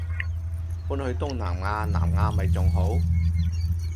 搬去東南亞南亞咪仲好